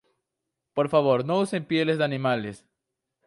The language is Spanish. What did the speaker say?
Por favor, no usen pieles de animales".